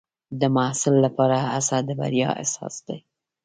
د محصل لپاره هڅه د بریا اساس دی.